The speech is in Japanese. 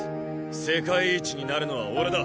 世界一になるのは俺だ！